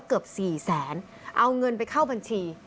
เอาเงินไปเข้าบัญชี